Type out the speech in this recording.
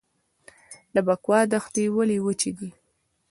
د بکوا دښتې ولې وچې دي؟